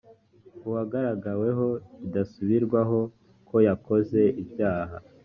uwagaragaweho bidasubirwaho ko yakoze ibyaha